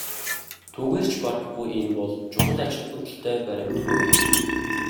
Түүгээр ч барахгүй энэ бол чухал ач холбогдолтой баримт мөн.